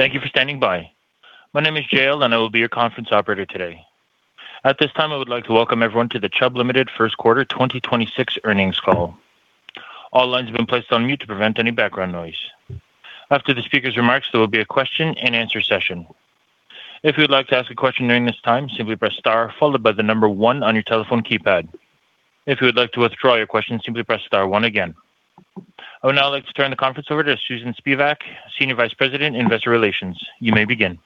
Thank you for standing by. My name is Jael, and I will be your conference operator today. At this time, I would like to welcome everyone to the Chubb Limited Q1 2026 Earnings Call. All lines have been placed on mute to prevent any background noise. After the speaker's remarks, there will be a question-and-answer session. If you would like to ask a question during this time, simply press star followed by the number one on your telephone keypad. If you would like to withdraw your question, simply press star one again. I would now like to turn the conference over to Susan Spivak, Senior Vice President, Investor Relations. You may begin.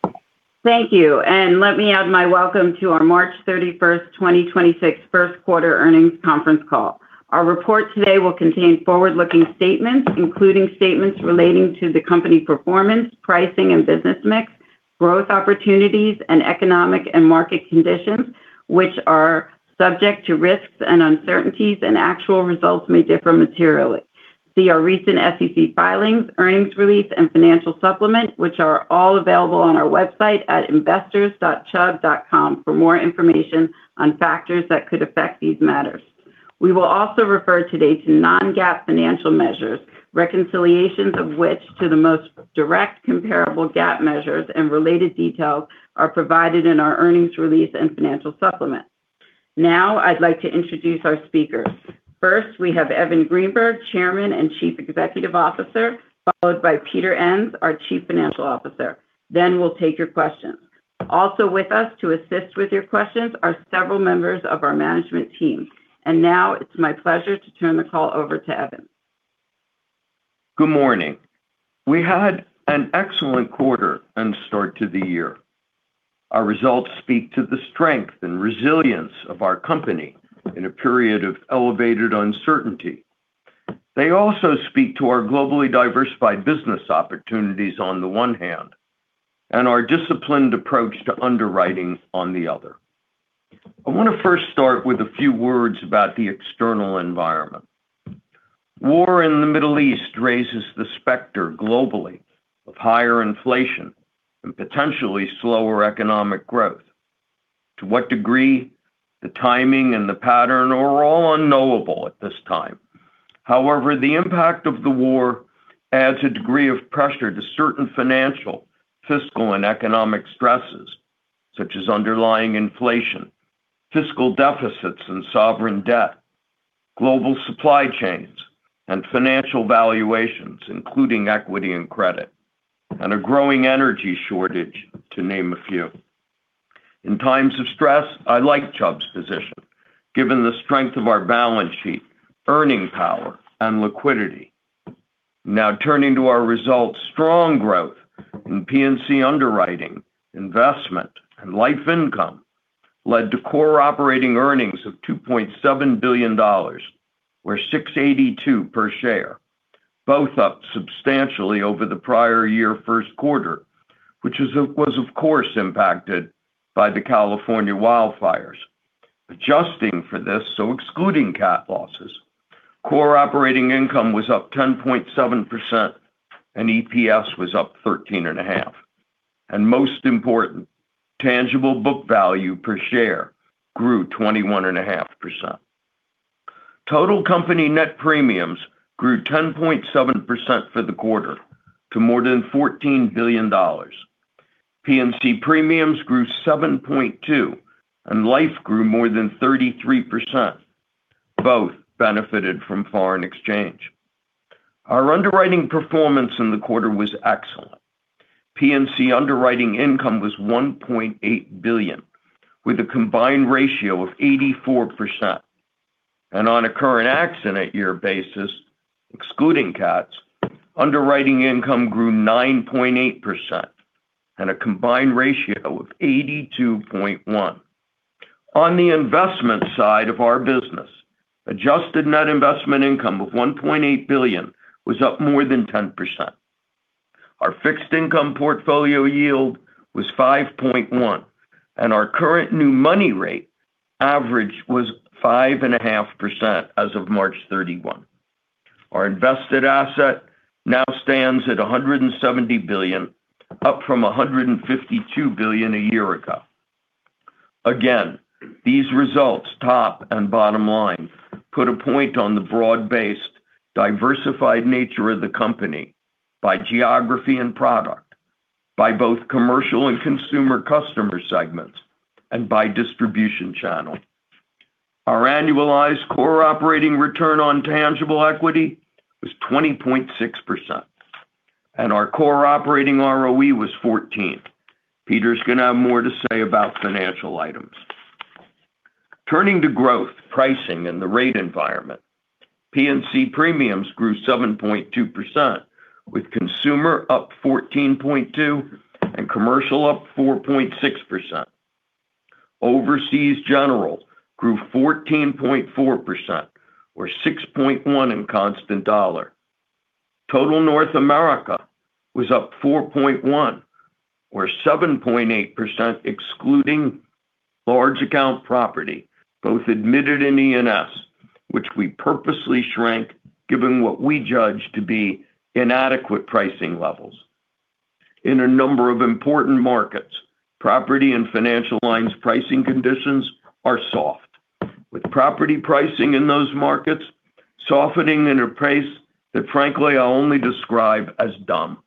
Thank you. Let me add my welcome to our 31 March 2026 Q1 Earnings Conference Call. Our report today will contain forward-looking statements, including statements relating to the company's performance, pricing and business mix, growth opportunities, and economic and market conditions, which are subject to risks and uncertainties, and actual results may differ materially. See our recent SEC filings, earnings release and financial supplement, which are all available on our website at investors.chubb.com for more information on factors that could affect these matters. We will also refer today to non-GAAP financial measures, reconciliations of which to the most direct comparable GAAP measures and related details are provided in our earnings release and financial supplement. Now I'd like to introduce our speakers. First, we have Evan Greenberg, Chairman and Chief Executive Officer, followed by Peter Enns, our Chief Financial Officer. Then we'll take your questions. Also with us to assist with your questions are several members of our management team. Now it's my pleasure to turn the call over to Evan. Good morning. We had an excellent quarter and start to the year. Our results speak to the strength and resilience of our company in a period of elevated uncertainty. They also speak to our globally diversified business opportunities on the one hand, and our disciplined approach to underwriting on the other. I want to first start with a few words about the external environment. War in the Middle East raises the specter globally of higher inflation and potentially slower economic growth. To what degree, the timing and the pattern are all unknowable at this time. However, the impact of the war adds a degree of pressure to certain financial, fiscal and economic stresses, such as underlying inflation, fiscal deficits and sovereign debt, global supply chains and financial valuations, including equity and credit, and a growing energy shortage, to name a few. In times of stress, I like Chubb's position, given the strength of our balance sheet, earning power and liquidity. Now turning to our results. Strong growth in P&C underwriting, investment and life income led to core operating earnings of $2.7 billion or $6.82 per share, both up substantially over the prior year Q1, which was of course impacted by the California wildfires. Adjusting for this, so excluding cat losses, core operating income was up 10.7% and EPS was up 13.5%. Most important, tangible book value per share grew 21.5%. Total company net premiums grew 10.7% for the quarter to more than $14 billion. P&C premiums grew 7.2% and life grew more than 33%. Both benefited from foreign exchange. Our underwriting performance in the quarter was excellent. P&C underwriting income was $1.8 billion, with a combined ratio of 84%. On a current accident year basis, excluding CATs, underwriting income grew 9.8% and a combined ratio of 82.1%. On the investment side of our business, adjusted net investment income of $1.8 billion was up more than 10%. Our fixed income portfolio yield was 5.1% and our current new money rate average was 5.5% as of 31 March. Our invested assets now stand at $170 billion, up from $152 billion a year ago. Again, these results, top and bottom line, put a point on the broad-based, diversified nature of the company by geography and product, by both commercial and consumer customer segments, and by distribution channel. Our annualized core operating return on tangible equity was 20.6% and our core operating ROE was 14%. Peter's going to have more to say about financial items. Turning to growth, pricing and the rate environment. P&C premiums grew 7.2%, with consumer up 14.2% and commercial up 4.6%. Overseas general grew 14.4% or 6.1% in constant dollar. Total North America was up 4.1% or 7.8% excluding large account property, both admitted in E&S, which we purposely shrank given what we judge to be inadequate pricing levels. In a number of important markets, property and financial lines pricing conditions are soft. With property pricing in those markets softening at a pace that frankly, I'll only describe as dumb.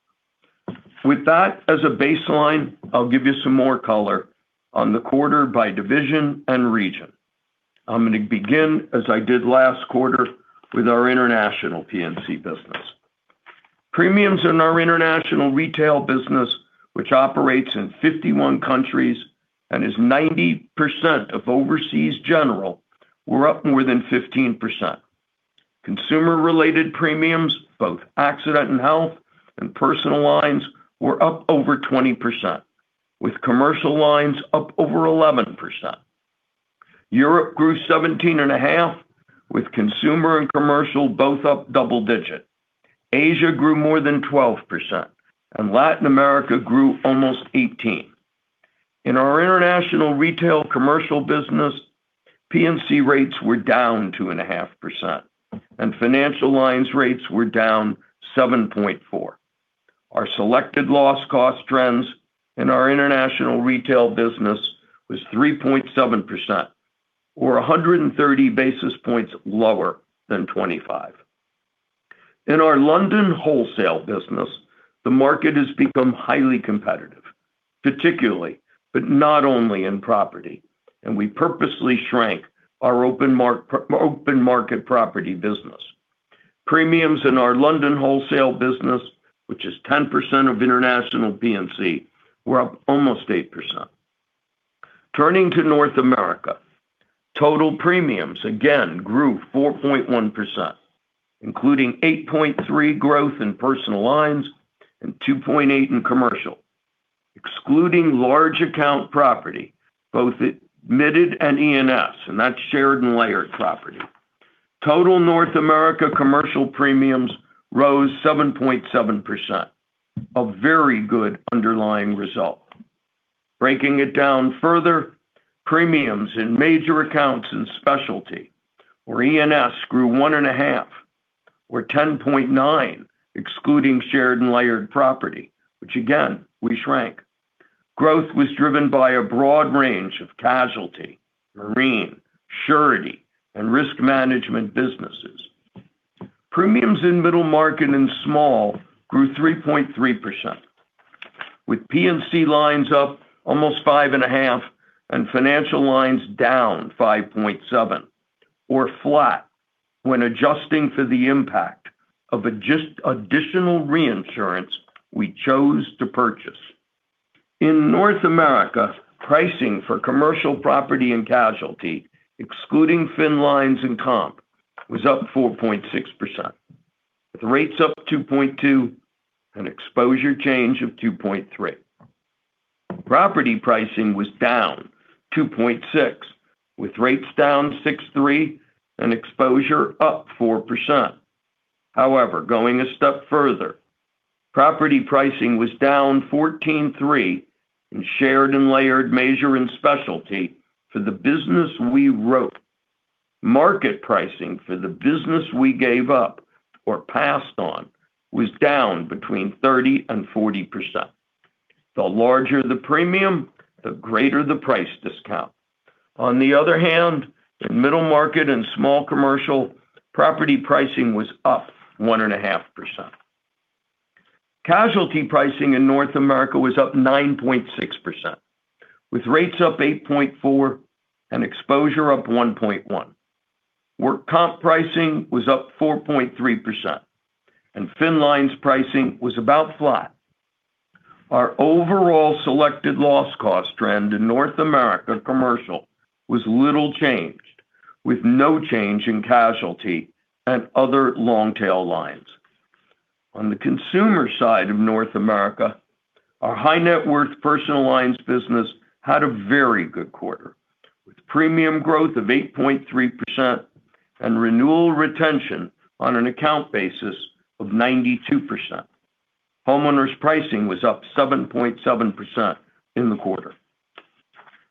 With that as a baseline, I'll give you some more color on the quarter by division and region. I'm going to begin, as I did last quarter, with our international P&C business. Premiums in our international retail business, which operates in 51 countries and is 90% of overseas general, were up more than 15%. Consumer-related premiums, both accident and health and personal lines, were up over 20%, with commercial lines up over 11%. Europe grew 17.5%, with consumer and commercial both up double digits. Asia grew more than 12%, and Latin America grew almost 18%. In our international retail commercial business, P&C rates were down 2.5%, and financial lines rates were down 7.4%. Our selected loss cost trends in our international retail business was 3.7%, or 130 basis points lower than 25. In our London wholesale business, the market has become highly competitive, particularly, but not only in property, and we purposely shrank our open market property business. Premiums in our London wholesale business, which is 10% of international P&C, were up almost 8%. Turning to North America, total premiums again grew 4.1%, including 8.3% growth in personal lines and 2.8% in commercial. Excluding large account property, both admitted and E&S, and that's shared and layered property. Total North America commercial premiums rose 7.7%, a very good underlying result. Breaking it down further, premiums in major accounts and specialty or E&S grew 1.5%, or 10.9% excluding shared and layered property, which again, we shrank. Growth was driven by a broad range of casualty, marine, surety, and risk management businesses. Premiums in middle market and small grew 3.3%, with P&C lines up almost 5.5% and financial lines down 5.7%, or flat when adjusting for the impact of additional reinsurance we chose to purchase. In North America, pricing for commercial property and casualty, excluding fin lines and comp, was up 4.6%, with rates up 2.2% and exposure change of 2.3%. Property pricing was down 2.6% with rates down 6.3% and exposure up 4%. However, going a step further, property pricing was down 14.3% in shared and layered measure and specialty for the business we wrote. Market pricing for the business we gave up or passed on was down between 30% and 40%. The larger the premium, the greater the price discount. On the other hand, in middle market and small commercial, property pricing was up 1.5%. Casualty pricing in North America was up 9.6%, with rates up 8.4% and exposure up 1.1%, where comp pricing was up 4.3% and fin lines pricing was about flat. Our overall selected loss cost trend in North America commercial was little changed, with no change in casualty and other long-tail lines. On the consumer side of North America, our high net-worth personal lines business had a very good quarter, with premium growth of 8.3% and renewal retention on an account basis of 92%. Homeowners' pricing was up 7.7% in the quarter.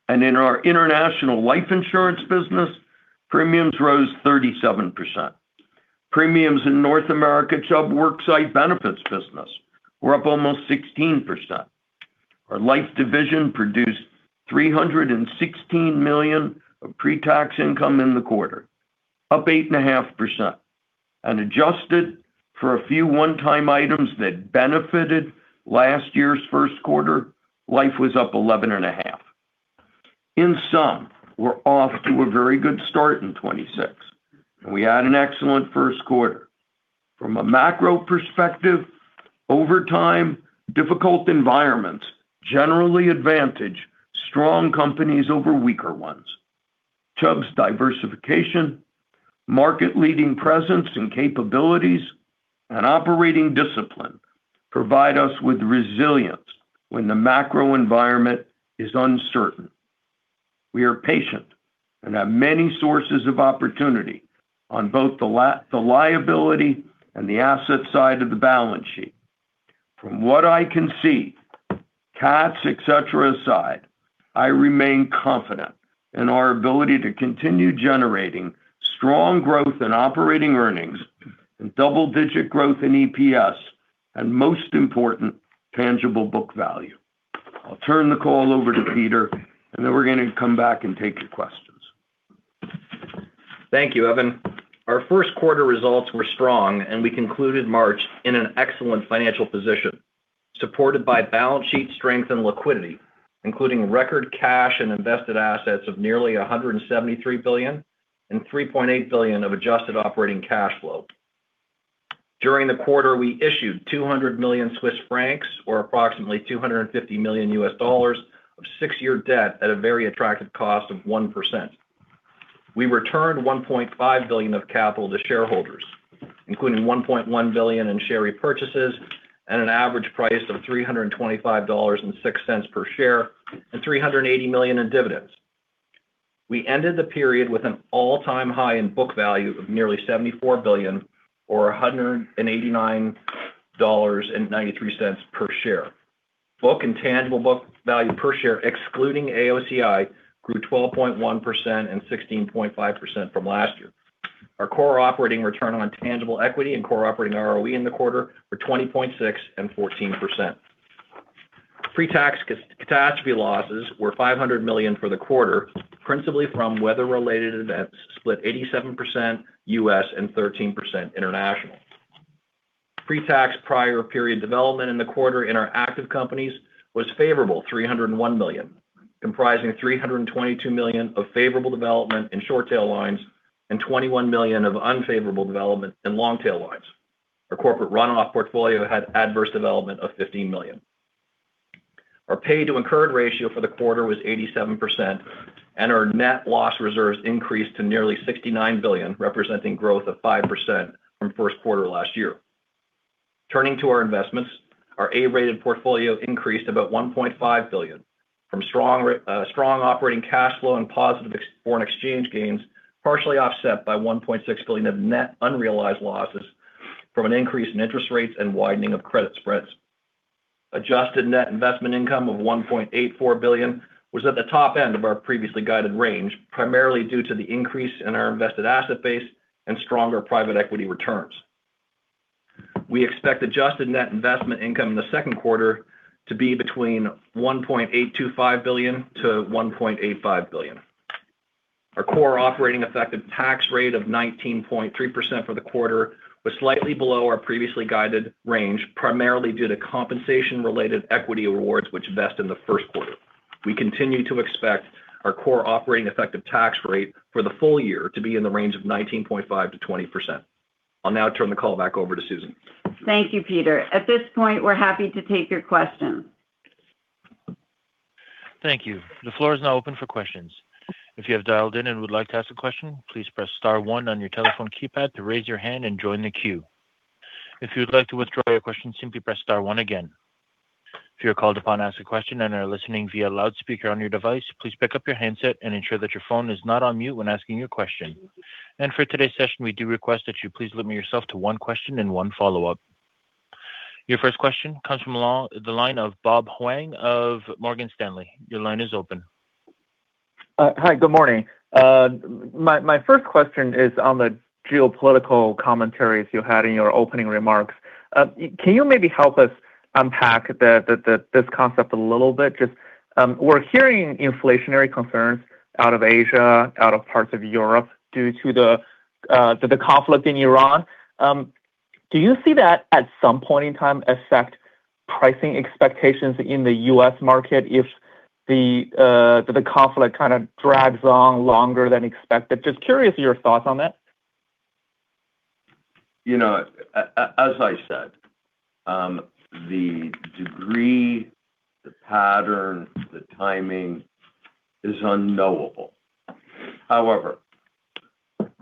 In our international life insurance business, premiums rose 37%. Premiums in North American Chubb Worksite Benefits business were up almost 16%. Our life division produced $316 million of pre-tax income in the quarter, up 8.5%. Adjusted for a few one-time items that benefited last year's Q1, life was up 11.5%. In sum, we're off to a very good start in 2026, and we had an excellent Q1. From a macro perspective, over time, difficult environments generally advantage strong companies over weaker ones. Chubb's diversification, market-leading presence and capabilities, and operating discipline provide us with resilience when the macro environment is uncertain. We are patient and have many sources of opportunity on both the liability and the asset side of the balance sheet. From what I can see, CATs, et cetera, aside, I remain confident in our ability to continue generating strong growth in operating earnings and double-digit growth in EPS, and most important, tangible book value. I'll turn the call over to Peter, and then we're going to come back and take your questions. Thank you, Evan. Our Q1 results were strong, and we concluded March in an excellent financial position supported by balance sheet strength and liquidity, including record cash and invested assets of nearly $173 billion and $3.8 billion of adjusted operating cash flow. During the quarter, we issued 200 million Swiss francs, or approximately $250 million, of six-year debt at a very attractive cost of 1%. We returned $1.5 billion of capital to shareholders, including $1.1 billion in share repurchases at an average price of $325.06 per share and $380 million in dividends. We ended the period with an all-time high in book value of nearly $74 billion or $189.93 per share. Book and tangible book value per share, excluding AOCI, grew 12.1% and 16.5% from last year. Our core operating return on tangible equity and core operating ROE in the quarter were 20.6% and 14%. Pre-tax catastrophe losses were $500 million for the quarter, principally from weather-related events, split 87% U.S. and 13% international. Pre-tax prior period development in the quarter in our active companies was a favorable $301 million, comprising $322 million of favorable development in short tail lines and $21 million of unfavorable development in long tail lines. Our corporate runoff portfolio had adverse development of $15 million. Our paid to incurred ratio for the quarter was 87%, and our net loss reserves increased to nearly $69 billion, representing growth of 5% from first quarter last year. Turning to our investments, our A-rated portfolio increased about $1.5 billion from strong operating cash flow and positive foreign exchange gains, partially offset by $1.6 billion of net unrealized losses from an increase in interest rates and widening of credit spreads. Adjusted net investment income of $1.84 billion was at the top end of our previously guided range, primarily due to the increase in our invested asset base and stronger private equity returns. We expect adjusted net investment income in the Q2 to be between $1.825 billion-$1.85 billion. Our core operating effective tax rate of 19.3% for the quarter was slightly below our previously guided range, primarily due to compensation-related equity awards which vested in the Q1. We continue to expect our core operating effective tax rate for the full year to be in the range of 19.5%-20%. I'll now turn the call back over to Susan. Thank you, Peter. At this point, we're happy to take your questions. Thank you. The floor is now open for questions. If you have dialed in and would like to ask a question, please press star one on your telephone keypad to raise your hand and join the queue. If you would like to withdraw your question, simply press star one again. If you're called upon to ask a question and are listening via loudspeaker on your device, please pick up your handset and ensure that your phone is not on mute when asking your question. For today's session, we do request that you please limit yourself to one question and one follow-up. Your first question comes from the line of Bob Huang of Morgan Stanley. Your line is open. Hi, good morning. My first question is on the geopolitical commentaries you had in your opening remarks. Can you maybe help us unpack this concept a little bit? We're hearing inflationary concerns out of Asia, out of parts of Europe due to the conflict in Iran. Do you see that at some point in time affect pricing expectations in the U.S. market if the conflict kind of drags on longer than expected? Just curious your thoughts on that. As I said, the degree, the pattern, the timing is unknowable. However,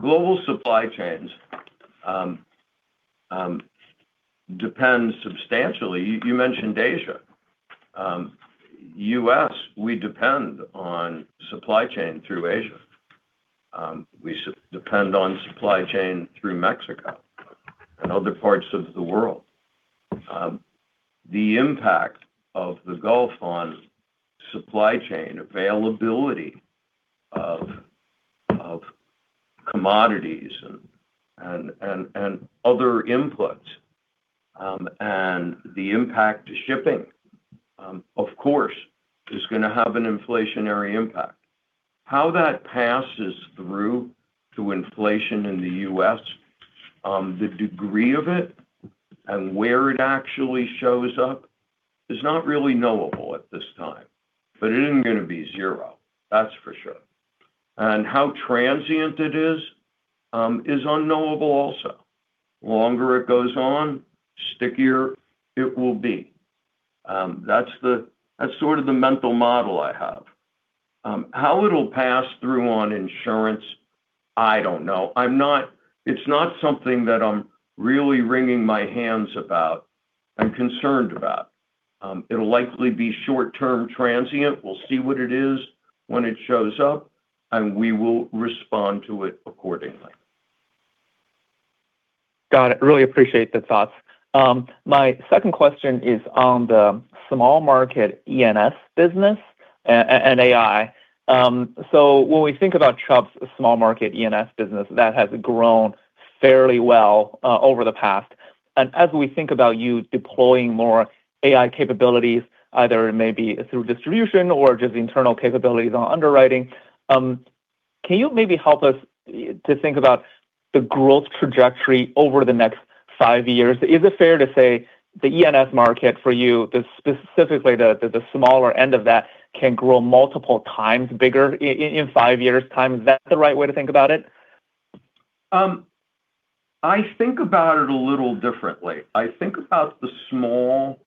global supply chains depend substantially. You mentioned Asia. U.S., we depend on supply chain through Asia. We depend on supply chain through Mexico and other parts of the world. The impact of the Gulf on supply chain availability of commodities and other inputs, and the impact to shipping, of course, is going to have an inflationary impact. How that passes through to inflation in the U.S., the degree of it and where it actually shows up is not really knowable at this time, but it isn't going to be zero. That's for sure. How transient it is unknowable also. Longer it goes on, stickier it will be. That's sort of the mental model I have. How it'll pass through on insurance, I don't know. It's not something that I'm really wringing my hands about and concerned about. It'll likely be short-term transient. We'll see what it is when it shows up, and we will respond to it accordingly. Got it. I really appreciate the thoughts. My second question is on the small market E&S business and AI. When we think about Chubb's small market E&S business, that has grown fairly well over the past. As we think about you deploying more AI capabilities, either it may be through distribution or just internal capabilities on underwriting, can you maybe help us to think about the growth trajectory over the next five years? Is it fair to say the E&S market for you, specifically the smaller end of that, can grow multiple times bigger in five years' time? Is that the right way to think about it? I think about it a little differently. I think about the small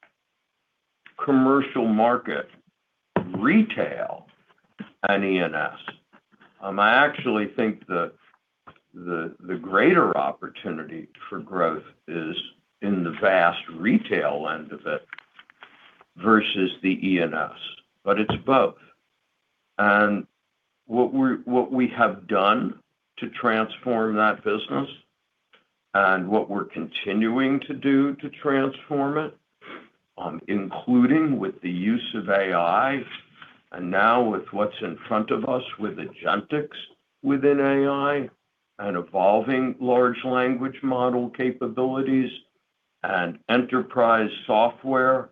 commercial market, retail and E&S. I actually think the greater opportunity for growth is in the vast retail end of it versus the E&S, but it's both. What we have done to transform that business and what we're continuing to do to transform it, including with the use of AI and now with what's in front of us with agentics within AI and evolving large language model capabilities and enterprise software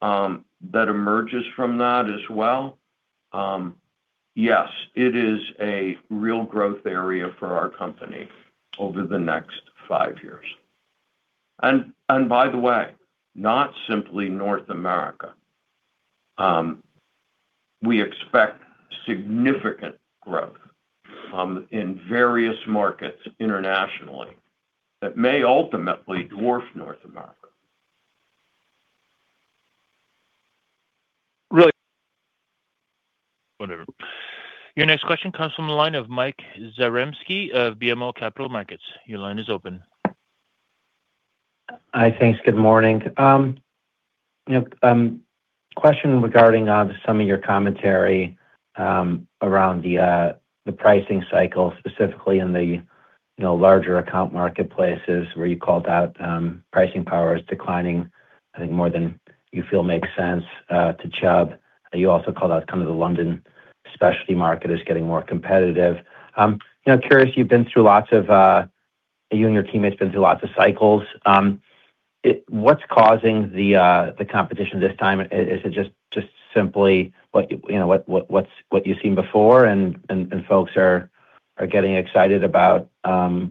that emerges from that as well, yes, it is a real growth area for our company over the next five years. By the way, not simply North America. We expect significant growth in various markets internationally that may ultimately dwarf North America. Really- Whatever. Your next question comes from the line of Mike Zaremski of BMO Capital Markets. Your line is open. Hi, thanks. Good morning. A question regarding some of your commentary around the pricing cycle, specifically in the larger account marketplaces where you called out pricing power is declining, I think more than you feel makes sense to Chubb. You also called out the London specialty market as getting more competitive. Curious, you and your teammates been through lots of cycles. What's causing the competition this time? Is it just simply what you've seen before and folks are getting excited about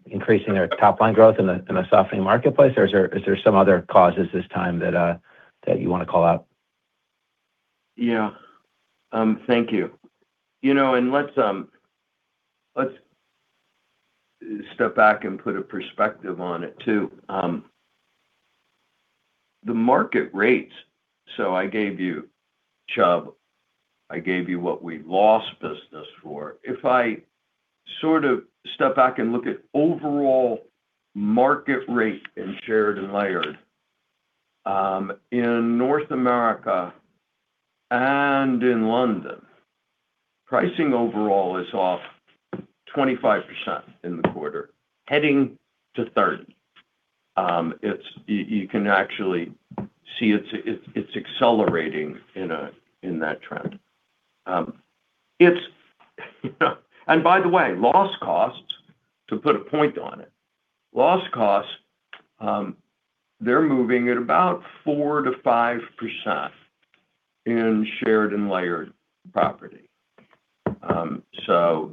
increasing their top-line growth in a softening marketplace, or is there some other causes this time that you want to call out? Yeah. Thank you. Let's step back and put a perspective on it, too. The market rates, so I gave you Chubb, I gave you what we lost business for. If I sort of step back and look at overall market rate in shared and layered, in North America and in London, pricing overall is off 25% in the quarter, heading to 30%. You can actually see it's accelerating in that trend. By the way, loss costs, to put a point on it, loss costs, they're moving at about 4%-5% in shared and layered property.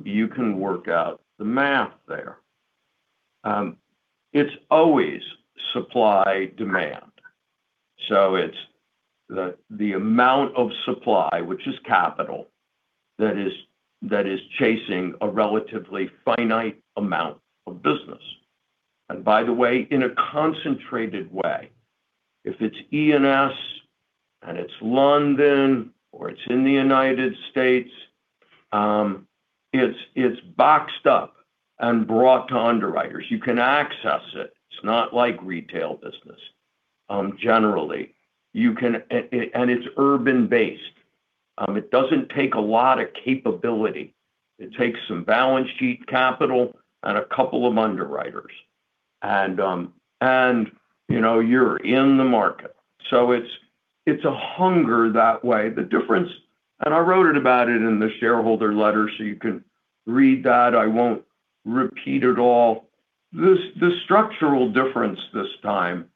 You can work out the math there. It's always supply-demand. It's the amount of supply, which is capital, that is chasing a relatively finite amount of business. By the way, in a concentrated way, if it's E&S and it's London or it's in the U.S.. It's boxed up and brought to underwriters. You can access it. It's not like retail business, generally. It's urban-based. It doesn't take a lot of capability. It takes some balance sheet capital and a couple of underwriters, and you're in the market. It's a hunger that way. The difference, and I wrote about it in the shareholder letter, so you can read that. I won't repeat it all. The structural difference this time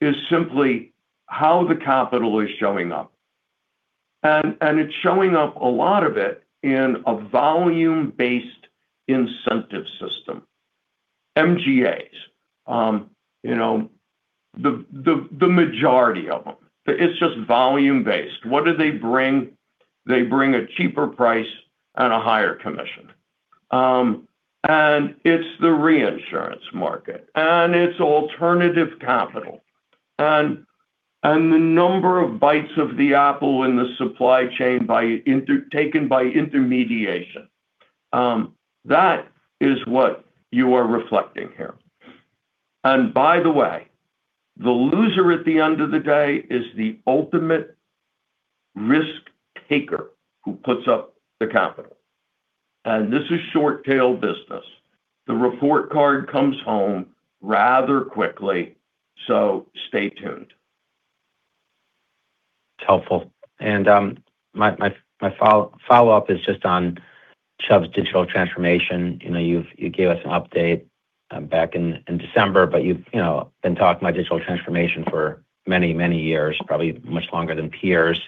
is simply how the capital is showing up. It's showing up, a lot of it, in a volume-based incentive system. MGAs. The majority of them. It's just volume-based. What do they bring? They bring a cheaper price and a higher commission. It's the reinsurance market. It's alternative capital. The number of bites of the apple in the supply chain taken by intermediation. That is what you are reflecting here. By the way, the loser at the end of the day is the ultimate risk-taker who puts up the capital. This is short-tail business. The report card comes home rather quickly, so stay tuned. It's helpful. My follow-up is just on Chubb's digital transformation. You gave us an update back in December, but you've been talking about digital transformation for many years, probably much longer than peers.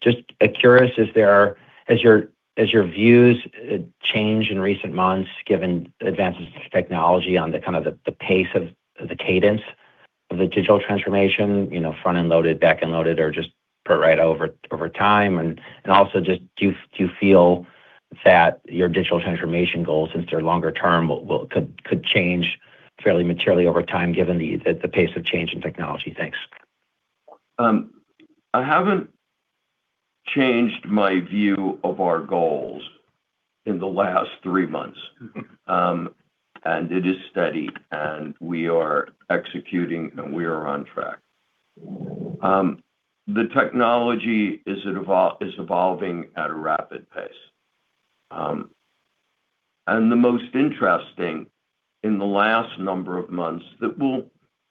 Just curious, has your views changed in recent months given advances in technology on the kind of the pace of the cadence of the digital transformation, front-end loaded, back-end loaded or just put right over time? Also just, do you feel that your digital transformation goals, since they're longer term, could change fairly materially over time given the pace of change in technology? Thanks. I haven't changed my view of our goals in the last three months. It is steady, and we are executing, and we are on track. The technology is evolving at a rapid pace. The most interesting in the last number of months, that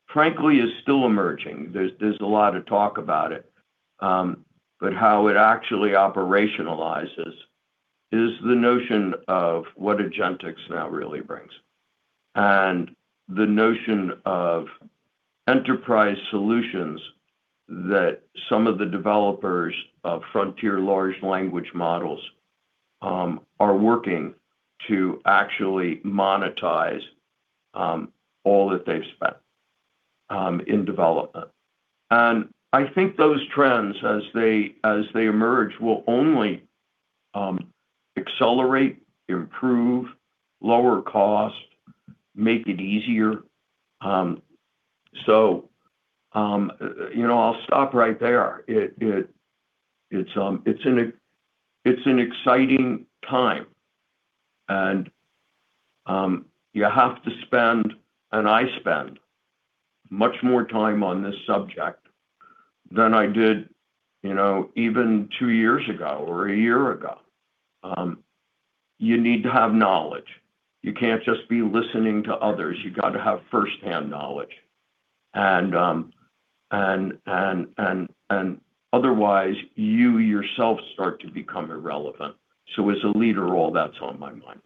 frankly is still emerging. There's a lot of talk about it, but how it actually operationalizes is the notion of what agentics now really brings and the notion of enterprise solutions that some of the developers of frontier large language models are working to actually monetize all that they've spent in development. I think those trends as they emerge, will only accelerate, improve, lower cost, make it easier. I'll stop right there. It's an exciting time and you have to spend, and I spend much more time on this subject than I did even two years ago or a year ago. You need to have knowledge. You can't just be listening to others. You got to have firsthand knowledge. Otherwise, you yourself start to become irrelevant. As a leader role, that's on my mind.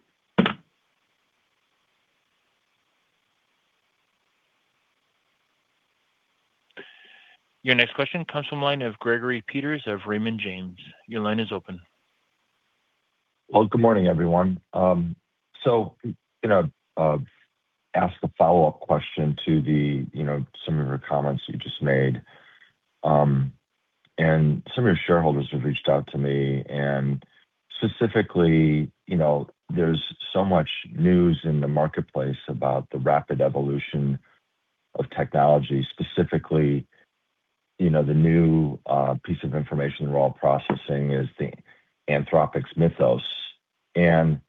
Your next question comes from the line of Gregory Peters of Raymond James. Your line is open. Well, good morning, everyone. Ask a follow-up question to some of your comments you just made. Some of your shareholders have reached out to me, and specifically, there's so much news in the marketplace about the rapid evolution of technology. Specifically, the new piece of information we're all processing is Anthropic's Mythos. I'm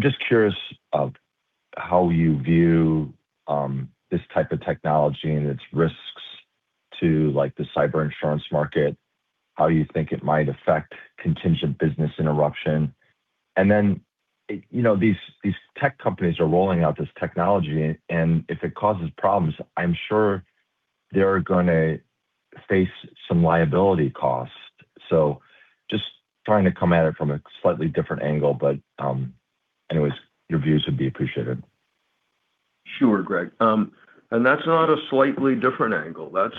just curious of how you view this type of technology and its risks to the cyber insurance market, how you think it might affect contingent business interruption. Then, these tech companies are rolling out this technology, and if it causes problems, I'm sure they're going to face some liability costs. Just trying to come at it from a slightly different angle, but, anyways, your views would be appreciated. Sure, Greg. That's not a slightly different angle. That's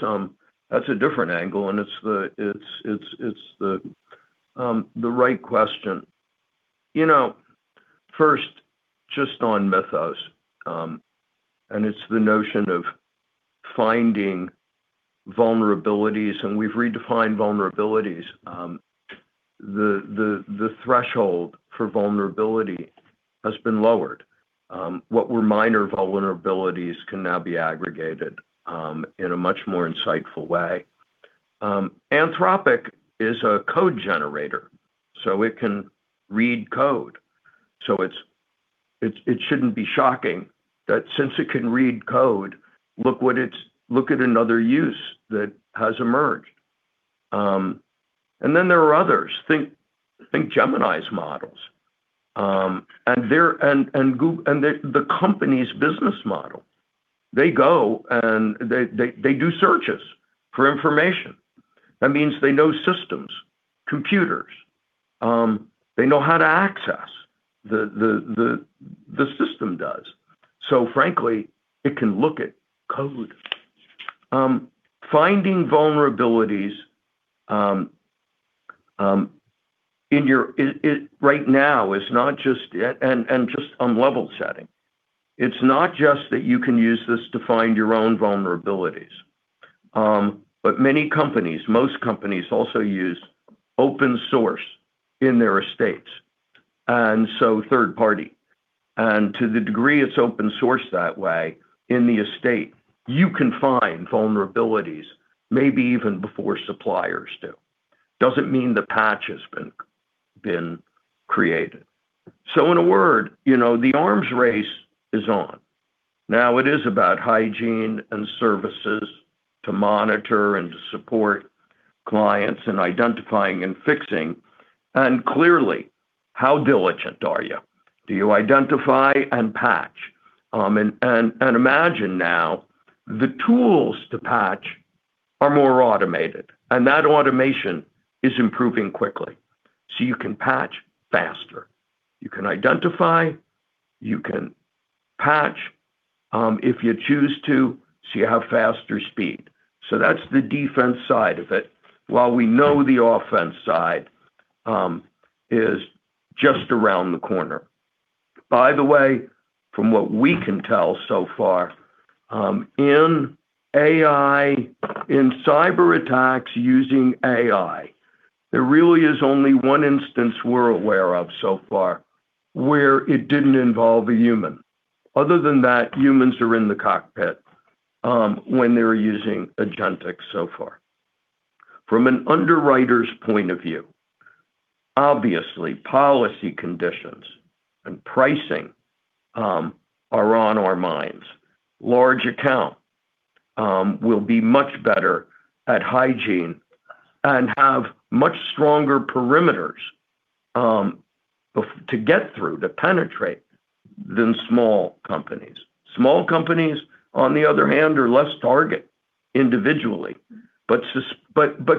a different angle and it's the right question. First, just on Mythos. It's the notion of finding vulnerabilities. We've redefined vulnerabilities. The threshold for vulnerability has been lowered. What were minor vulnerabilities can now be aggregated in a much more insightful way. Anthropic is a code generator, so it can read code. It shouldn't be shocking that since it can read code, look at another use that has emerged. Then there are others. Think Gemini's models. The company's business model. They go and they do searches for information. That means they know systems, computers. They know how to access, the system does. Frankly, it can look at code. Finding vulnerabilities right now is not just yet and just on level setting. It's not just that you can use this to find your own vulnerabilities. Many companies, most companies also use open source in their estates, and so third party. To the degree it's open source that way in the estate, you can find vulnerabilities maybe even before suppliers do. Doesn't mean the patch has been created. In a word, the arms race is on. Now it is about hygiene and services to monitor and to support clients in identifying and fixing, and clearly how diligent are you? Do you identify and patch? Imagine now the tools to patch are more automated, and that automation is improving quickly. You can patch faster, you can identify, you can patch, if you choose to, so you have faster speed. That's the defense side of it. While we know the offense side is just around the corner. By the way, from what we can tell so far, in AI, in cyber-attacks using AI, there really is only one instance we're aware of so far where it didn't involve a human. Other than that, humans are in the cockpit when they're using agentic so far. From an underwriter's point of view, obviously policy conditions and pricing are on our minds. Large account will be much better at hygiene and have much stronger perimeters to get through, to penetrate, than small companies. Small companies, on the other hand, are less of a target individually, but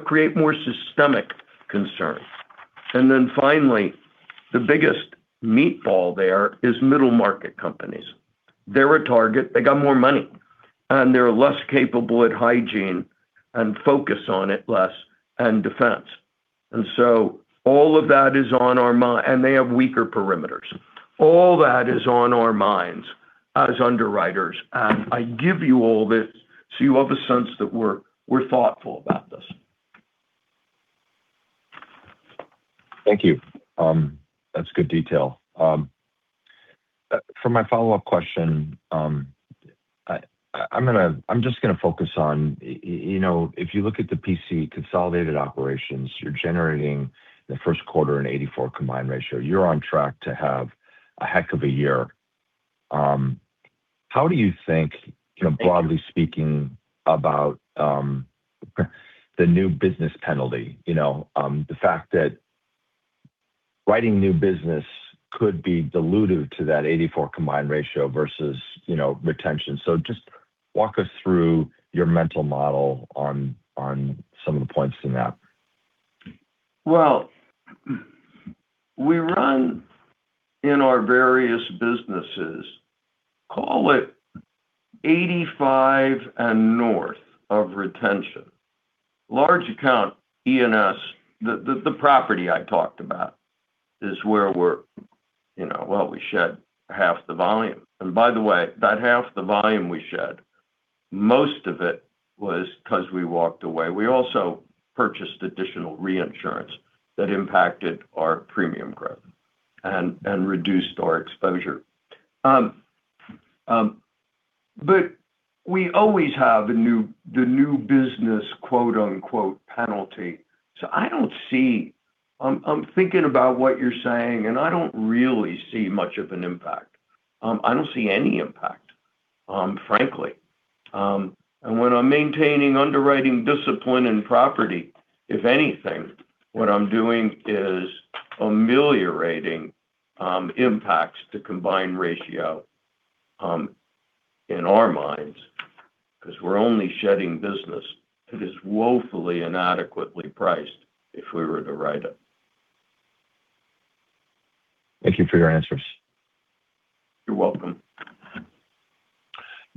create more systemic concerns. Finally, the biggest meatball there is middle market companies. They're a target. They got more money, and they're less capable at hygiene and focus on it less, and defense. They have weaker perimeters. All that is on our minds as underwriters, and I give you all this, so you have a sense that we're thoughtful about this. Thank you. That's good detail. For my follow-up question, I'm just going to focus on if you look at the P&C consolidated operations, you're generating the Q1 an 84 combined ratio. You're on track to have a heck of a year. How do you think, broadly speaking about the new business penalty, the fact that writing new business could be dilutive to that 84% combined ratio versus retention. Just walk us through your mental model on some of the points in that. Well, we run in our various businesses, call it 85 and north of retention. Large account E&S, the property I talked about is where we shed half the volume. By the way, that half the volume we shed, most of it was because we walked away. We also purchased additional reinsurance that impacted our premium growth and reduced our exposure. We always have the new business, quote unquote, "penalty." I'm thinking about what you're saying, and I don't really see much of an impact. I don't see any impact, frankly. When I'm maintaining underwriting discipline and property, if anything, what I'm doing is ameliorating impacts to combined ratio in our minds because we're only shedding business that is woefully inadequately priced if we were to write it. Thank you for your answers. You're welcome.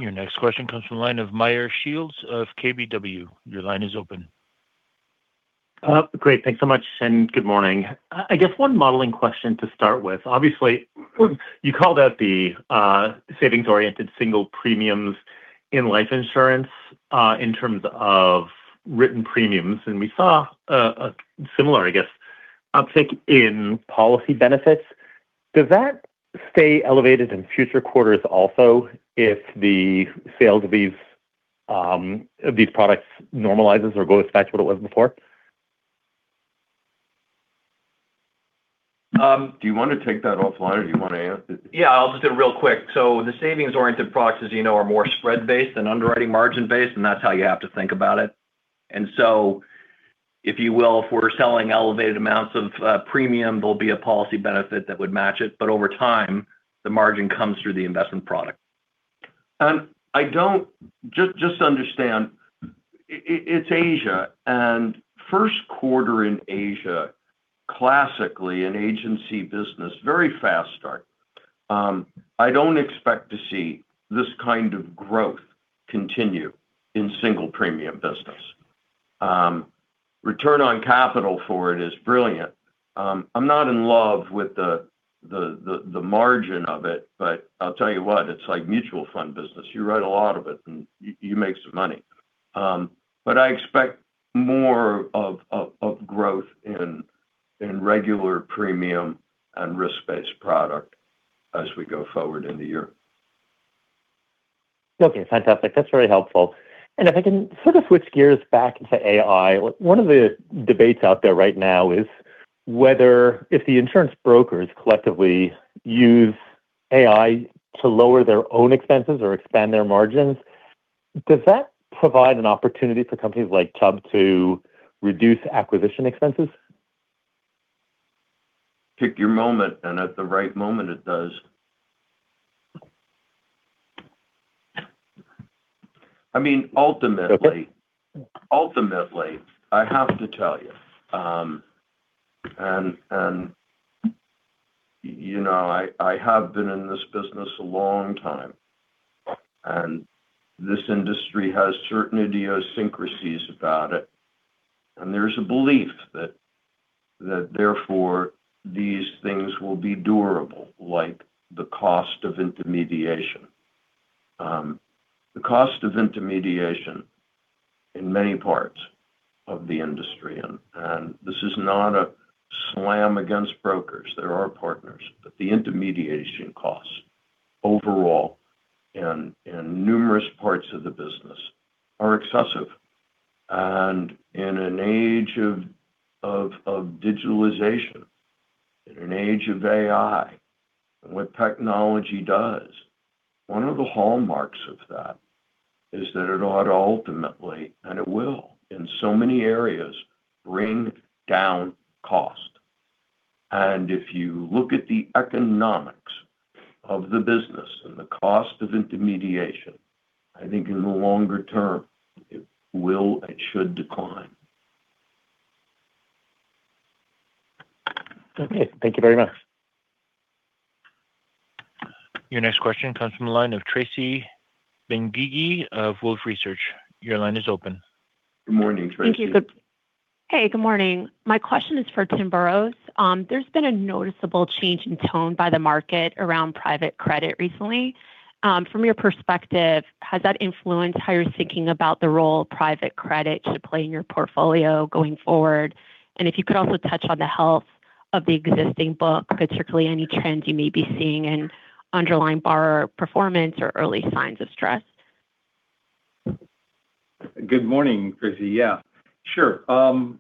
Your next question comes from the line of Meyer Shields of KBW. Your line is open. Great. Thanks so much, and good morning. I guess one modeling question to start with. Obviously, you called out the savings-oriented single premiums in life insurance, in terms of written premiums, and we saw a similar, I guess, uptick in policy benefits. Does that stay elevated in future quarters also if the sales of these products normalize or goes back to what it was before? Do you want to take that offline, or do you want to answer? Yeah, I'll just do it real quick. The savings-oriented products, as you know, are more spread-based than underwriting margin-based, and that's how you have to think about it. If you will, if we're selling elevated amounts of premium, there'll be a policy benefit that would match it. Over time, the margin comes through the investment product. Just understand it's Asia, and Q1 in Asia, classically an agency business, very fast start. I don't expect to see this kind of growth continue in single premium business. Return on capital for it is brilliant. I'm not in love with the margin of it, but I'll tell you what, it's like mutual fund business. You write a lot of it and you make some money. I expect more of growth in regular premium and risk-based product as we go forward in the year. Okay, fantastic. That's very helpful. If I can sort of switch gears back to AI. One of the debates out there right now is whether if the insurance brokers collectively use AI to lower their own expenses or expand their margins, does that provide an opportunity for companies like Chubb to reduce acquisition expenses? Pick your moment, and at the right moment, it does. Ultimately, I have to tell you, and I have been in this business a long time, and this industry has certain idiosyncrasies about it, and there's a belief that therefore, these things will be durable, like the cost of intermediation. The cost of intermediation in many parts of the industry, and this is not a slam against brokers, they're our partners. The intermediation costs overall and in numerous parts of the business are excessive. In an age of digitalization, in an age of AI, and what technology does, one of the hallmarks of that is that it ought to ultimately, and it will, in so many areas, bring down cost. If you look at the economics of the business and the cost of intermediation, I think in the longer term, it will and should decline. Okay. Thank you very much. Your next question comes from the line of Tracy Dolin-Benguigui of Wolfe Research. Your line is open. Good morning, Tracy. Thank you. Hey, good morning. My question is for Timothy Boroughs. There's been a noticeable change in tone by the market around private credit recently. From your perspective, has that influenced how you're thinking about the role private credit should play in your portfolio going forward? And if you could also touch on the health of the existing book, particularly any trends you may be seeing in underlying borrower performance or early signs of stress. Good morning, Tracy. Yeah. Sure. On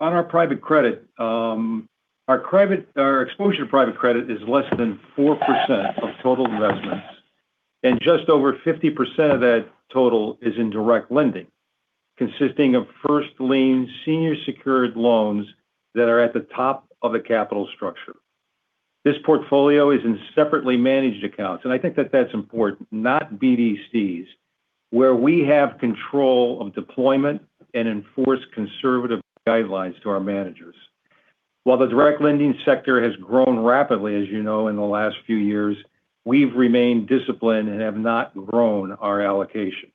our private credit, our exposure to private credit is less than 4% of total investments, and just over 50% of that total is in direct lending, consisting of first-lien, senior secured loans that are at the top of a capital structure. This portfolio is in separately managed accounts, and I think that that's important, not BDCs, where we have control of deployment and enforce conservative guidelines to our managers. While the direct lending sector has grown rapidly, as you know, in the last few years, we've remained disciplined and have not grown our allocation.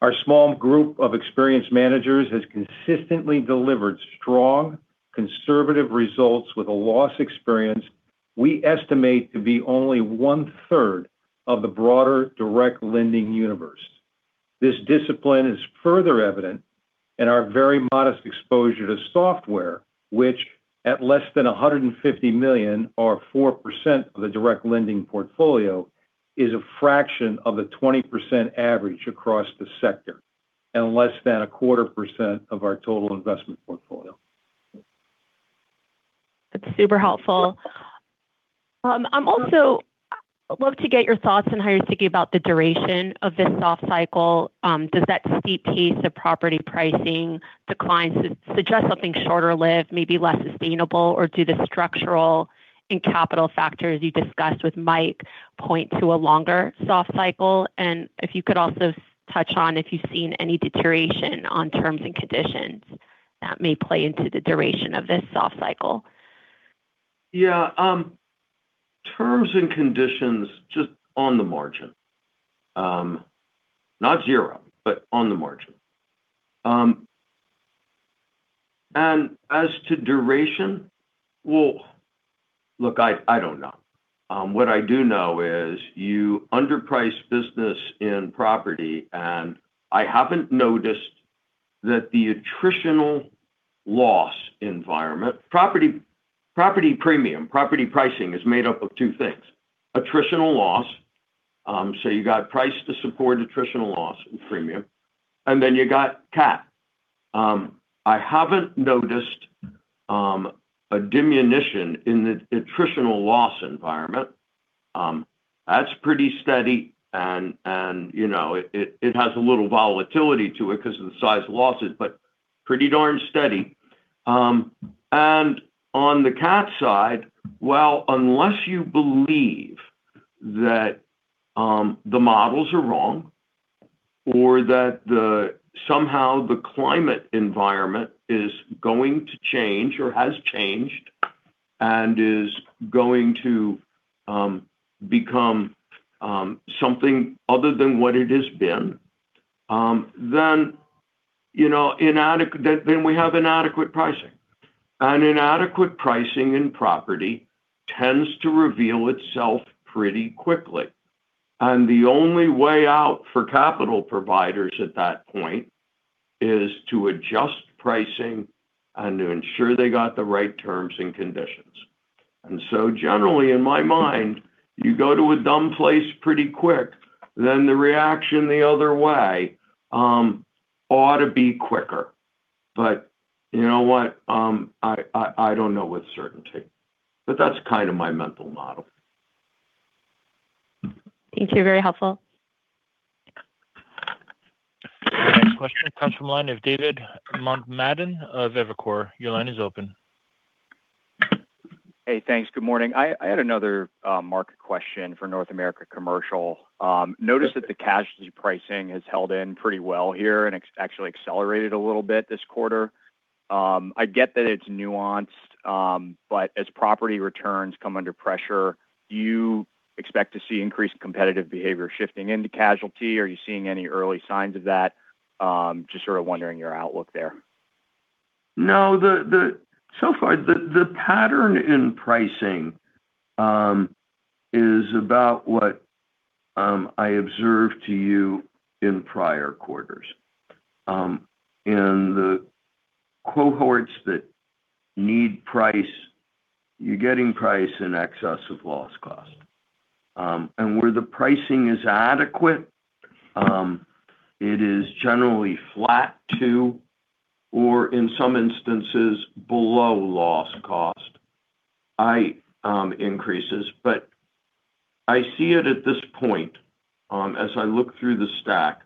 Our small group of experienced managers has consistently delivered strong, conservative results with a loss experience we estimate to be only one-third of the broader direct lending universe. This discipline is further evident in our very modest exposure to software, which at less than $150 million or 4% of the direct lending portfolio, is a fraction of the 20% average across the sector and less than 0.25% of our total investment portfolio. That's super helpful. I'd also love to get your thoughts on how you're thinking about the duration of this soft cycle. Does that steep pace of property pricing declines suggest something shorter-lived, maybe less sustainable? Or do the structural and capital factors you discussed with Mike point to a longer soft cycle? If you could also touch on if you've seen any deterioration on terms and conditions that may play into the duration of this soft cycle. Yeah. Terms and conditions just on the margin. Not zero, but on the margin. As to duration, well, look, I don't know. What I do know is you underprice business in property, and I haven't noticed that the attritional loss environment. Property pricing is made up of two things. Attritional loss, so you got price to support attritional loss in premium, and then you got CAT. I haven't noticed a diminution in the attritional loss environment. That's pretty steady, and it has a little volatility to it because of the size of losses, but pretty darn steady. On the CAT side, well, unless you believe that the models are wrong or that somehow the climate environment is going to change or has changed and is going to become something other than what it has been, then we have inadequate pricing. Inadequate pricing in property tends to reveal itself pretty quickly. The only way out for capital providers at that point is to adjust pricing and to ensure they got the right terms and conditions. Generally, in my mind, you go to a dumb place pretty quick, then the reaction the other way ought to be quicker. You know what? I don't know with certainty. That's kind of my mental model. Thank you. Very helpful. Next question comes from the line of David Motemaden of Evercore. Your line is open. Hey, thanks. Good morning. I had another market question for North America Commercial. Okay. Notice that the casualty pricing has held in pretty well here and actually accelerated a little bit this quarter. I get that it's nuanced, but as property returns come under pressure, do you expect to see increased competitive behavior shifting into casualty? Are you seeing any early signs of that? Just sort of wondering your outlook there. No. So far, the pattern in pricing is about what I observed to you in prior quarters. In the cohorts that need price, you're getting price in excess of loss cost. Where the pricing is adequate, it is generally flat to, or in some instances, below loss cost increases. I see it at this point, as I look through the stack,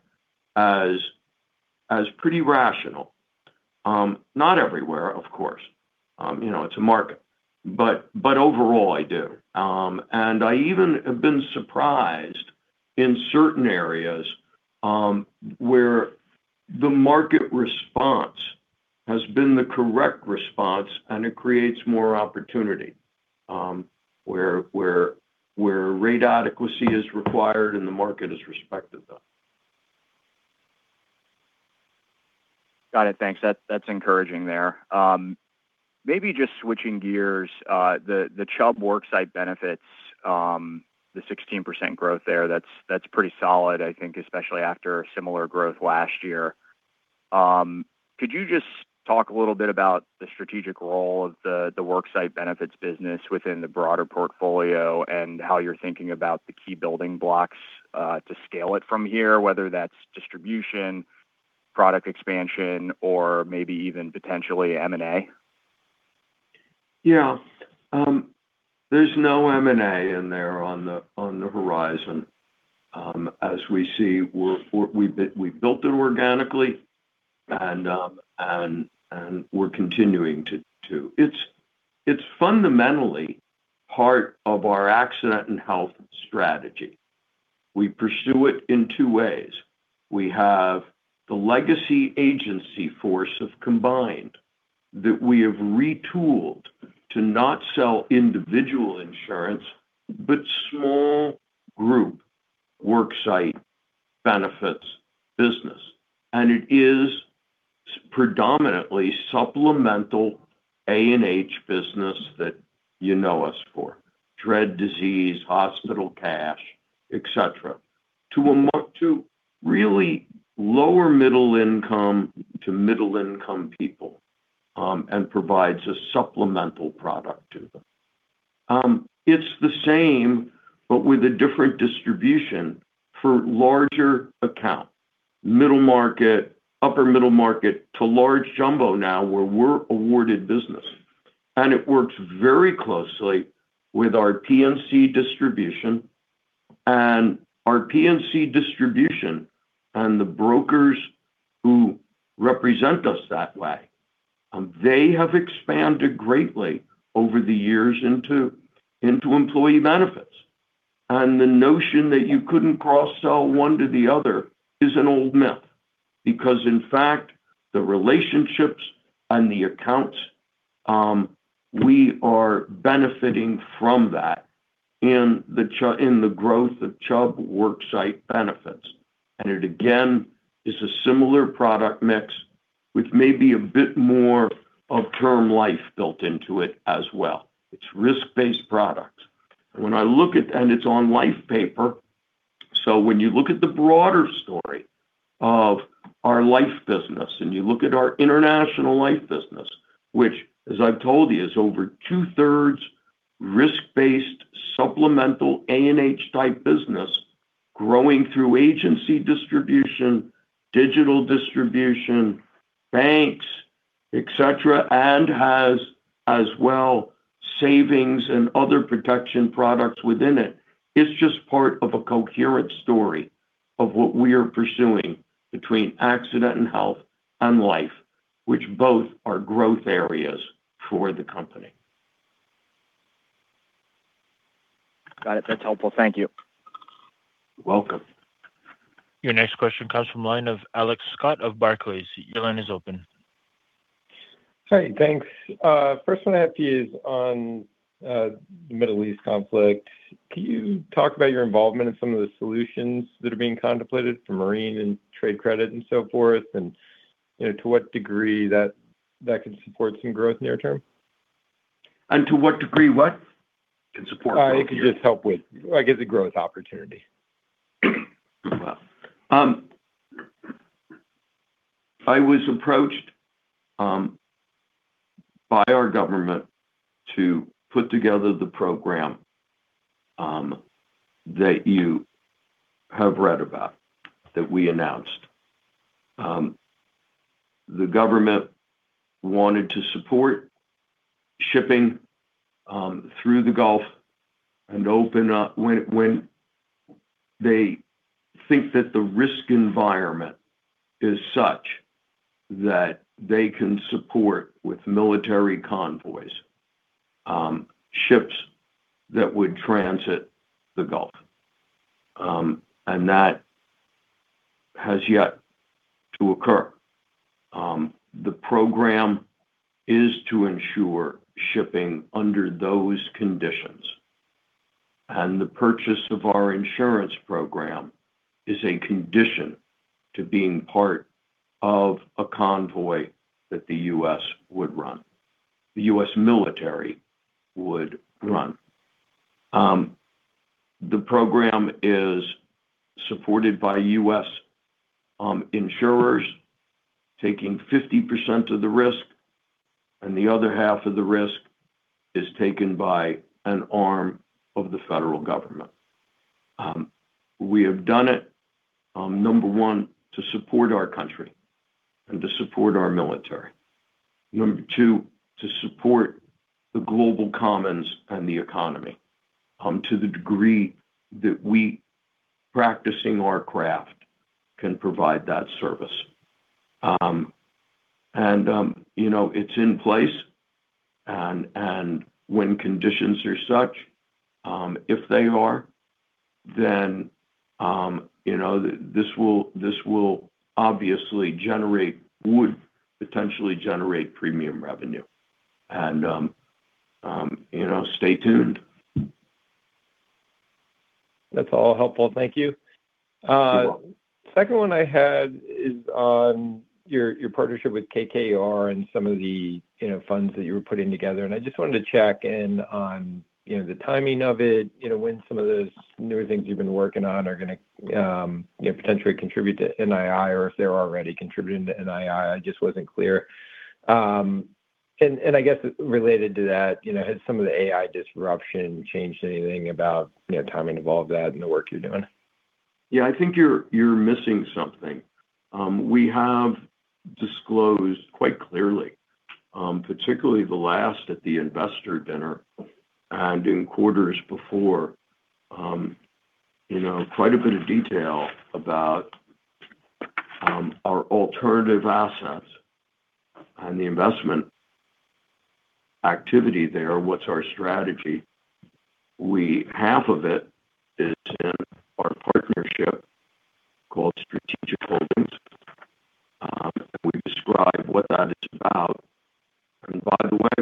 as pretty rational. Not everywhere, of course. It's a market. Overall, I do. I even have been surprised in certain areas where the market response has been the correct response, and it creates more opportunity, where rate adequacy is required and the market has respected them. Got it. Thanks. That's encouraging there. Maybe just switching gears. The Chubb Worksite Benefits, the 16% growth there, that's pretty solid, I think, especially after a similar growth last year. Could you just talk a little bit about the strategic role of the Worksite Benefits business within the broader portfolio and how you're thinking about the key building blocks to scale it from here, whether that's distribution, product expansion, or maybe even potentially M&A? Yeah. There's no M&A in there on the horizon. As we see, we've built it organically and we're continuing to. It's fundamentally part of our accident and health strategy. We pursue it in two ways. We have the legacy agency force of Combined that we have retooled to not sell individual insurance, but small group worksite benefits business. It is predominantly supplemental A&H business that you know us for. Dread disease, hospital cash, et cetera, to really lower-middle-income to middle-income people and provides a supplemental product to them. It's the same, but with a different distribution for larger account, middle market, upper middle market to large jumbo now where we're awarded business. It works very closely with our P&C distribution and the brokers who represent us that way. They have expanded greatly over the years into employee benefits. The notion that you couldn't cross-sell one to the other is an old myth. Because in fact, the relationships and the accounts, we are benefiting from that in the growth of Chubb Worksite Benefits. It again, is a similar product mix, with maybe a bit more of term life built into it as well. It's risk-based products. It's on life paper, so when you look at the broader story of our life business, and you look at our international life business, which, as I've told you, is over two-thirds risk-based supplemental A&H type business growing through agency distribution, digital distribution, banks, et cetera, and has as well savings and other protection products within it's just part of a coherent story of what we are pursuing between accident and health and life, which both are growth areas for the company. Got it. That's helpful. Thank you. You're welcome. Your next question comes from the line of Alex Scott of Barclays. Your line is open. Hi, thanks. First one I have to you is on the Middle East conflict. Can you talk about your involvement in some of the solutions that are being contemplated for marine and trade credit and so forth, and to what degree that could support some growth near term? To what degree what can support growth near term? It could just help with, I guess, a growth opportunity Well, I was approached by our government to put together the program that you have read about, that we announced. The government wanted to support shipping through the Gulf and open up when they think that the risk environment is such that they can support with military convoys, ships that would transit the Gulf. That has yet to occur. The program is to ensure shipping under those conditions, and the purchase of our insurance program is a condition to being part of a convoy that the U.S. would run, the U.S. military would run. The program is supported by U.S. insurers taking 50% of the risk, and the other half of the risk is taken by an arm of the federal government. We have done it, number one, to support our country and to support our military. Number two, to support the global commons and the economy to the degree that we, practicing our craft, can provide that service. It's in place, and when conditions are such, if they are, then this will obviously potentially generate premium revenue. Stay tuned. That's all helpful. Thank you. Second one I had is on your partnership with KKR and some of the funds that you were putting together, and I just wanted to check in on the timing of it, when some of those newer things you've been working on are going to potentially contribute to NII, or if they're already contributing to NII. I just wasn't clear. I guess related to that, has some of the AI disruption changed anything about timing of all that and the work you're doing? Yeah. I think you're missing something. We have disclosed quite clearly, particularly the last at the investor dinner and in quarters before, quite a bit of detail about our alternative assets and the investment activity there, what's our strategy. Half of it is in our partnership called Strategic Holdings. We describe what that is about. By the way,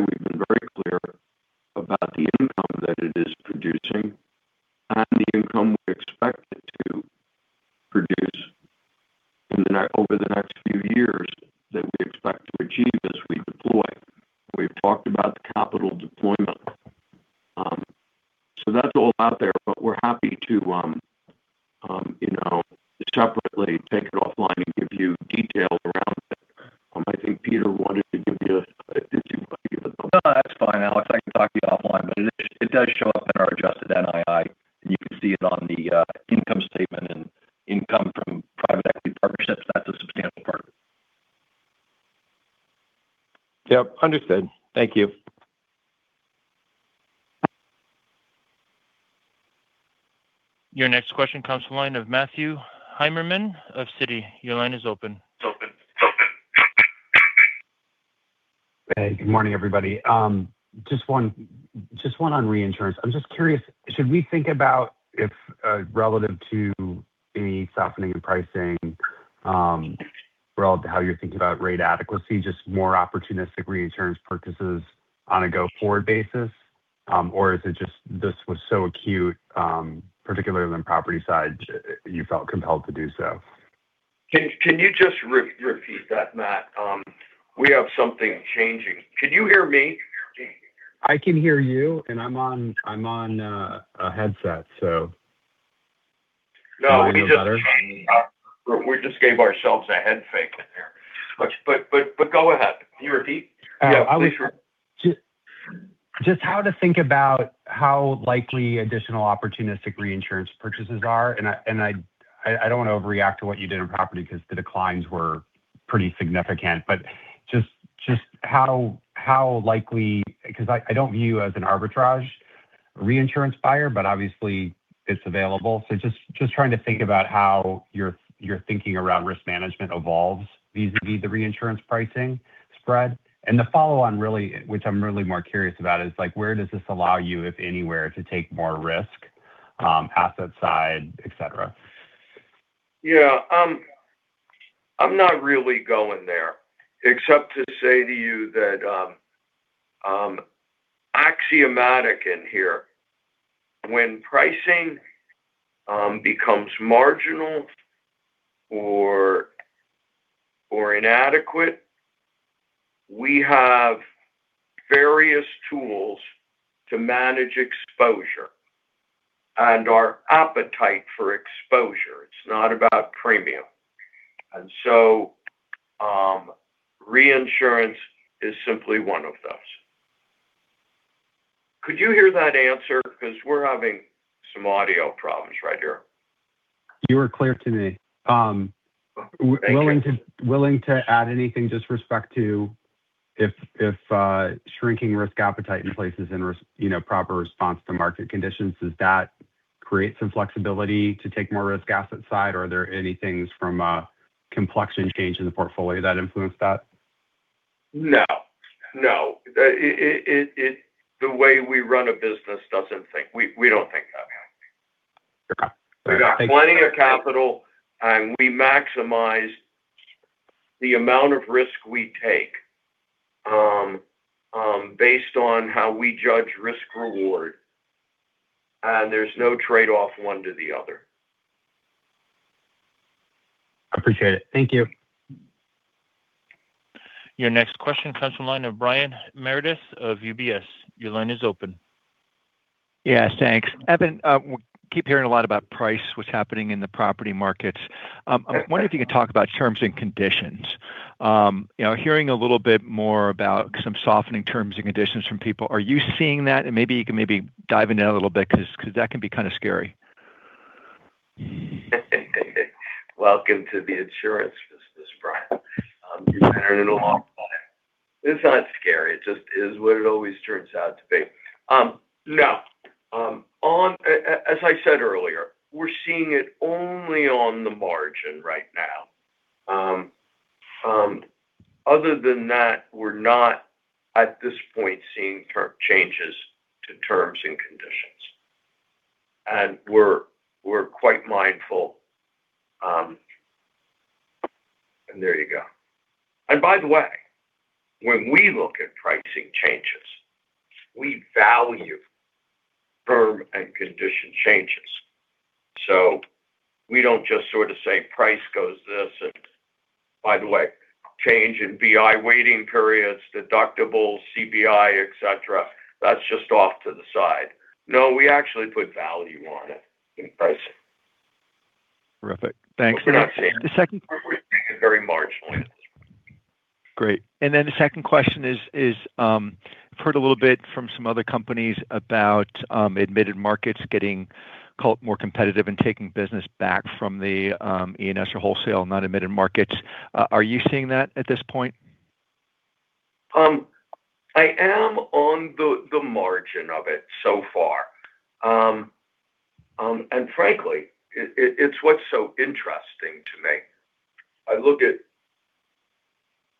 particularly on the property side, you felt compelled to do so? Can you just repeat that, Matt? We have something changing. Can you hear me? I can hear you, and I'm on a headset, so. No, we just. Do you want me better? We just gave ourselves a head fake there. Go ahead. Can you repeat? Yeah, please repeat. Just how to think about how likely additional opportunistic reinsurance purchases are, and I don't want to overreact to what you did on property because the declines were pretty significant. Just how likely, because I don't view as an arbitrage reinsurance buyer, but obviously it's available. Just trying to think about how your thinking around risk management evolves vis-à-vis the reinsurance pricing spread. The follow on, which I'm really more curious about, is where does this allow you, if anywhere, to take more risk, asset side, et cetera? Yeah. I'm not really going there except to say to you that axiomatic in here, when pricing becomes marginal or inadequate, we have to manage exposure and our appetite for exposure. It's not about premium. Reinsurance is simply one of those. Could you hear that answer? Because we're having some audio problems right here. You were clear to me. Thank you. willing to add anything just with respect to the shrinking risk appetite in P&C in response to market conditions? Does that create some flexibility to take more risk on the asset side? Or are there any things from the complexion change in the portfolio that influence that? No. The way we run a business, we don't think that way. Okay. We've got plenty of capital, and we maximize the amount of risk we take based on how we judge risk reward. There's no trade-off one to the other. Appreciate it. Thank you Your next question comes from the line of Brian Meredith of UBS. Your line is open. Yes, thanks. Evan, we keep hearing a lot about price, what's happening in the property markets. I wonder if you can talk about terms and conditions, hearing a little bit more about some softening terms and conditions from people. Are you seeing that? Maybe you can dive into that a little bit because that can be kind of scary. Welcome to the insurance business, Brian. You've been in it a long time. It's not scary. It just is what it always turns out to be. No. As I said earlier, we're seeing it only on the margin right now. Other than that, we're not at this point seeing term changes to terms and conditions. We're quite mindful. There you go. By the way, when we look at pricing changes, we value term and condition changes. We don't just sort of say price goes this and, by the way, change in BI waiting periods, deductibles, CPI, et cetera. That's just off to the side. No, we actually put value on it in pricing. Terrific. Thanks. We're not seeing. The second- We're seeing it very marginally. Great. The second question is, I've heard a little bit from some other companies about admitted markets getting more competitive and taking business back from the E&S or wholesale non-admitted markets. Are you seeing that at this point? I am on the margin of it so far. Frankly, it's what's so interesting to me. I look at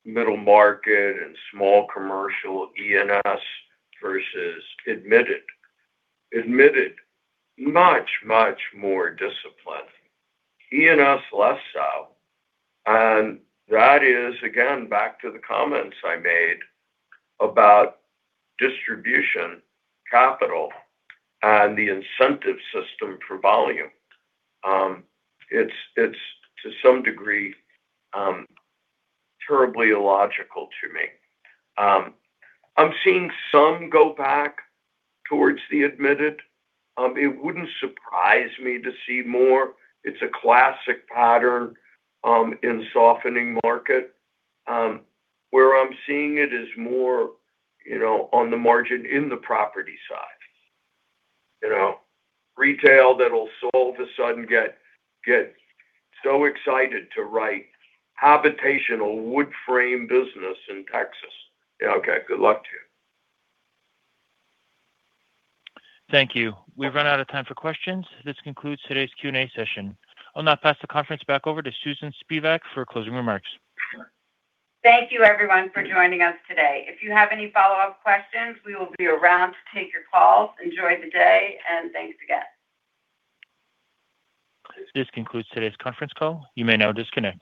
middle market and small commercial E&S versus admitted. Admitted, much, much more discipline, E&S less so. That is, again, back to the comments I made about distribution, capital, and the incentive system for volume. It's to some degree terribly illogical to me. I'm seeing some go back towards the admitted. It wouldn't surprise me to see more. It's a classic pattern in softening market. Where I'm seeing it is more on the margin in the property side. Retail that'll all of a sudden get so excited to write habitational wood frame business in Texas. Yeah, okay, good luck to you. Thank you. We've run out of time for questions. This concludes today's Q&A session. I'll now pass the conference back over to Susan Spivak for closing remarks. Thank you everyone for joining us today. If you have any follow-up questions, we will be around to take your calls. Enjoy the day, and thanks again. This concludes today's conference call. You may now disconnect.